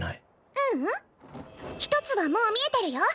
ううん一つはもう見えてるよ